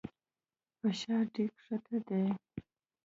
فشار دې کښته دى.